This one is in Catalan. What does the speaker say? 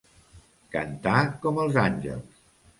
Cantar com els àngels.